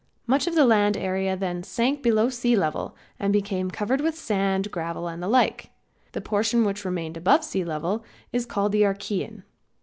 Much of the land area then sank below sea level, and became covered with sand, gravel and the like. The portion which remained above the level is called the Archaean.